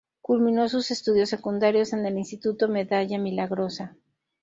Culminó sus estudios secundarios en el Instituto Medalla Milagrosa.